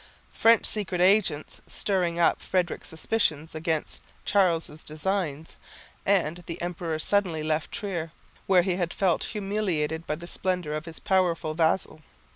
French secret agents stirred up Frederick's suspicions against Charles' designs, and the emperor suddenly left Trier, where he had felt humiliated by the splendour of his powerful vassal.